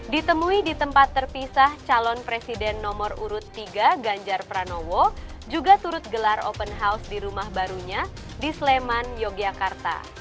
ditemui di tempat terpisah calon presiden nomor urut tiga ganjar pranowo juga turut gelar open house di rumah barunya di sleman yogyakarta